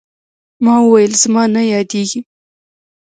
ما وويل زما نه يادېږي.